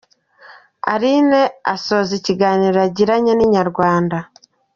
Aline asoza ikiganiro yagiranye na Inyarwanda.